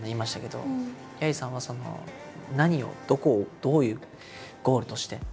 どきゃりーさんは何をどこをどういうゴールとして？